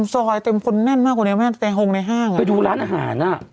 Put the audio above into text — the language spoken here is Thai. ซอยเต็มคนแน่นมากกว่านี้แม่แตงในห้างไปดูร้านอาหารอ่ะ